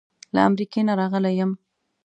له امریکې نه راغلی یم.